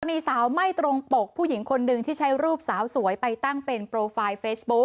มีสาวไม่ตรงปกผู้หญิงคนหนึ่งที่ใช้รูปสาวสวยไปตั้งเป็นโปรไฟล์เฟซบุ๊ค